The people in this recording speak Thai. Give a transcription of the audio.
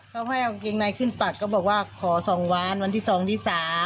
เขาให้เอาเกงในขึ้นปัดก็บอกว่าขอ๒วันวันที่๒ที่๓